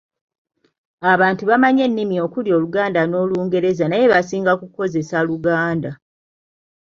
Abantu bamanyi ennimi okuli Oluganda n’Olungereza naye basinga kukozesa Luganda.